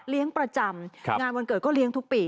ประจำงานวันเกิดก็เลี้ยงทุกปี